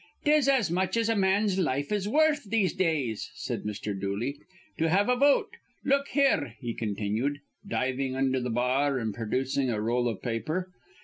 "'Tis as much as a man's life is worth these days," said Mr. Dooley, "to have a vote. Look here," he continued, diving under the bar and producing a roll of paper.